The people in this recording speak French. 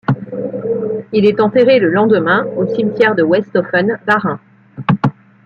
Il est enterré le lendemain au cimetière de Westhoffen, Bas-Rhin.